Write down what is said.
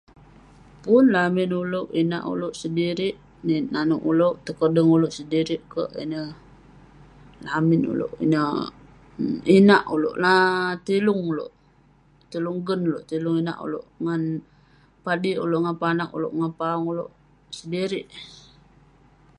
Pun lamin ulouk, inak ulouk sedirik. Ni- Nanouk ulouk, tekodeng ulouk sedirik kek. Ineh lamin ulouk, ineh inak ulouk um tilung ulouk. Tilung gen ulouk, tilung inak ulouk ngan padik ulouk ngan panag ulouk ngan paong ulouk sedirik.